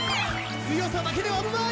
強さだけではない！